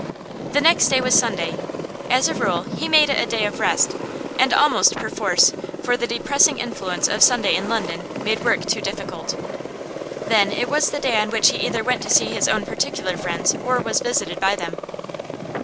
The next day was Sunday. As a rule he made it a day of rest, and almost perforce, for the depressing influence of Sunday in London made work too difficult. Then, it was the day on which he either went to see his own particular friends or was visited by them.